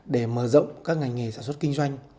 để mở rộng các ngành nghề sản xuất kinh doanh